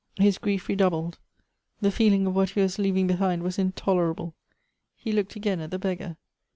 His grief redoubled. The feeling of what he was leaving be hind was intolerable. He _ looked again at the beggar.